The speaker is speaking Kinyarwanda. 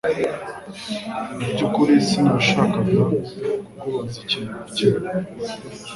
Mubyukuri sinashakaga kukubaza ikintu na kimwe